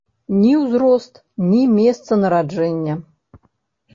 Ні ўзрост, ні месца нараджэння.